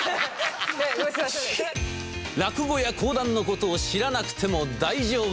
落語や講談の事を知らなくても大丈夫。